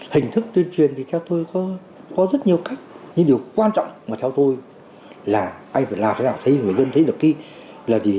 hình thức tuyên truyền thì theo tôi có rất nhiều cách nhưng điều quan trọng mà theo tôi là ai phải làm thế nào để người dân thấy được đi